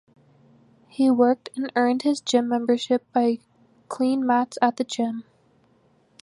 He worked and earned his gym membership by clean mats at the gym.